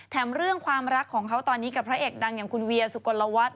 เรื่องความรักของเขาตอนนี้กับพระเอกดังอย่างคุณเวียสุกลวัฒน